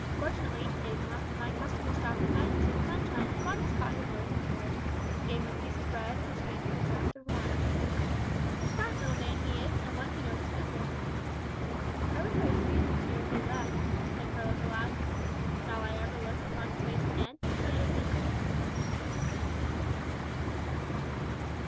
"Fortunately, it is not my custom to stop in bed and see the sunshine; so I just caught him loading his mules, and gave him a piece of bread and cheese and a draught of wine. A smart little man he is, and one who knows his business." "I wish I had seen him ere he left," said Carlos aloud. "Shall I ever look upon his face again?" he added mentally.